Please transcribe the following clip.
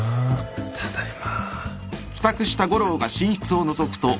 ただいま。